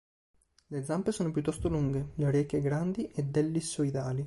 Le zampe sono piuttosto lunghe, le orecchie grandi ed ellissoidali.